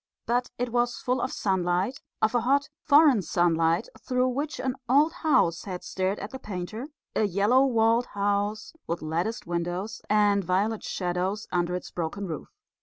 But it was full of sunlight, of a hot, foreign sunlight, through which an old house had stared at the painter, a yellow walled house with latticed windows and violet shadows under its broken roof.